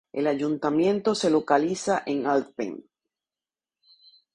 El ayuntamiento se localiza en Alphen.